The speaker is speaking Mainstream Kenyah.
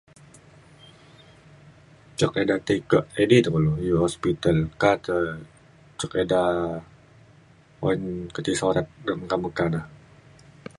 cuk ida ti ke edei tai kulu u hospital ka te cuk eda oyan keti sorat de' meka meka da.